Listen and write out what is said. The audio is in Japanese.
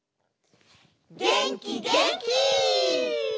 げんきげんき！